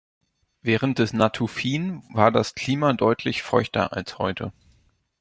Während des Natufien war das Klima deutlich feuchter als heute.